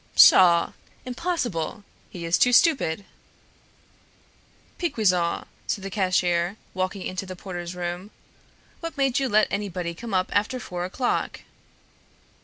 "Pshaw! impossible; he is too stupid." "Piquoizeau," said the cashier, walking into the porter's room, "what made you let anybody come up after four o'clock?"